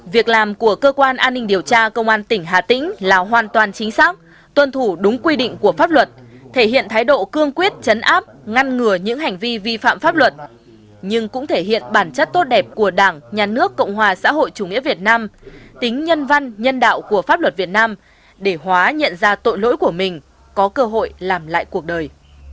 việc làm của cơ quan an ninh điều tra công an tỉnh hà tĩnh là hoàn toàn chính xác tuân thủ đúng quy định của pháp luật thể hiện thái độ cương quyết chấn áp ngăn ngừa những hành vi vi phạm pháp luật nhưng cũng thể hiện bản chất tốt đẹp của đảng nhà nước cộng hòa xã hội chủ nghĩa việt nam tính nhân văn nhân đạo của pháp luật việt nam để hóa nhận ra tội lỗi của mình có cơ hội làm lại cuộc đời